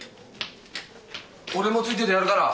俺も付いててやるから。